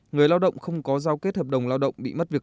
người lao động không có giao kết hợp đồng lao động